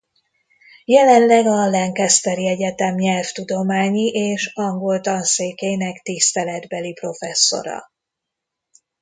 Jelenleg a Lancasteri Egyetem Nyelvtudományi és Angol Tanszékének tiszteletbeli professzora.